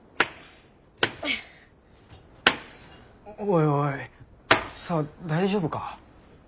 おいおい沙和大丈夫か？